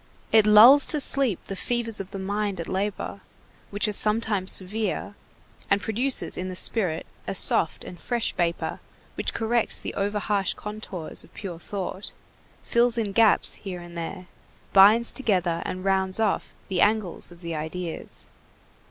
It lulls to sleep the fevers of the mind at labor, which are sometimes severe, and produces in the spirit a soft and fresh vapor which corrects the over harsh contours of pure thought, fills in gaps here and there, binds together and rounds off the angles of the ideas.